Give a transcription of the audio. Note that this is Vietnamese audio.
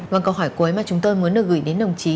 vâng câu hỏi cuối mà chúng tôi muốn được gửi đến đồng chí